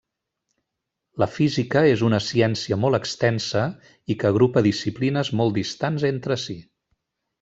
La física és una ciència molt extensa i que agrupa disciplines molt distants entre si.